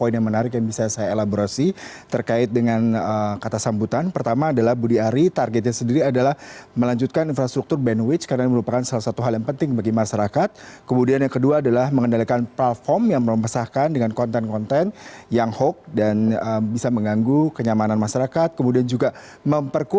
wassalamualaikum warahmatullahi wabarakatuh